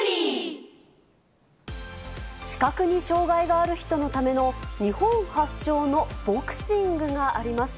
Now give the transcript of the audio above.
視覚に障がいがある人のための日本発祥のボクシングがあります。